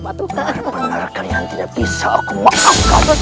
benar benar kalian tidak bisa aku maafkan